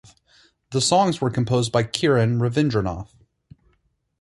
The songs were composed by Kiran Ravindranath.